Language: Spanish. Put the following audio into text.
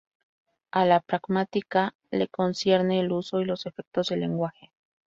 A la pragmática le concierne el uso y los efectos del lenguaje.